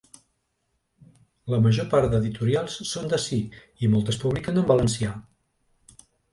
La major part d’editorials són d’ací i moltes publiquen en valencià.